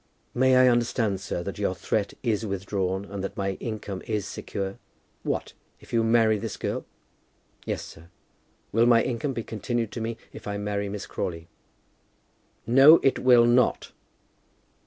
"May I understand, sir, that your threat is withdrawn, and that my income is secure?" "What, if you marry this girl?" "Yes, sir; will my income be continued to me if I marry Miss Crawley?" "No, it will not."